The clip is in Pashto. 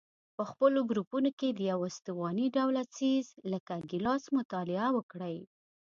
په خپلو ګروپونو کې د یوه استواني ډوله څیز لکه ګیلاس مطالعه وکړئ.